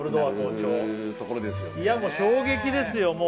いやもう衝撃ですよ